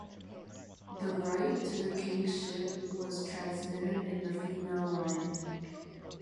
The right to the kingship was transmitted in the female line.